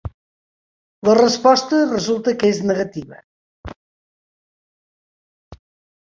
La resposta, resulta que és negativa.